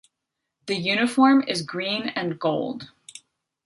The uniform is green and gold.